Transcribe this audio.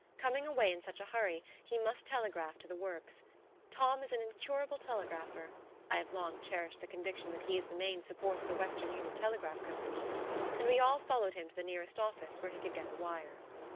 Coming away in such a hurry, he must telegraph to the Works. Tom is an incurable telegrapher (I have long cherished the conviction that he is the main support of the Western Union Telegraph Company), and we all followed him to the nearest office where he could get a wire.